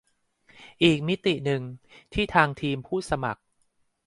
อีกมิติหนึ่ง ที่ทางทีมผู้สมัคร